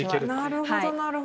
なるほどなるほど。